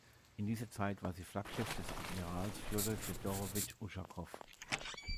In dieser Zeit war sie Flaggschiff des Admirals Fjodor Fjodorowitsch Uschakow.